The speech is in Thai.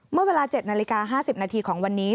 เมื่อเวลา๗นาฬิกา๕๐นาทีของวันนี้